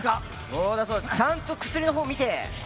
そうだそうだちゃんと薬のほう見て！